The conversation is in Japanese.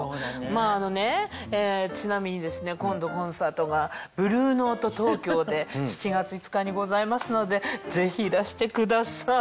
まぁちなみにですね今度コンサートがブルーノート東京で７月５日にございますのでぜひいらしてください。